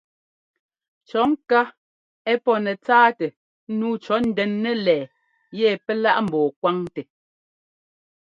Cɔ̌ ŋká ɛ́ pɔ́ nɛtsáatɛ nǔu cɔ̌ ndɛn nɛlɛɛ yɛ pɛ́ láꞌ ḿbɔɔ kwáŋtɛ.